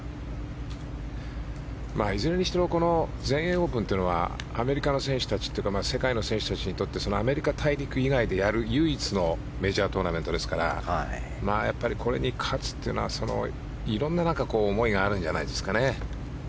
いずれにしろ全英オープンというのはアメリカの選手たちというか世界の選手たちにとってアメリカ大陸以外でやる唯一のメジャートーナメントですからやっぱりこれに勝つというのは色んな思いがあるんじゃないんですかね。